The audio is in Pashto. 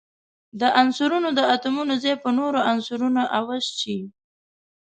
د عنصرونو د اتومونو ځای په نورو عنصرونو عوض شي.